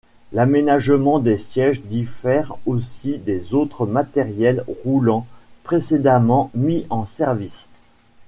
L'aménagement des sièges diffère aussi des autres matériels roulants précédemment mis en service.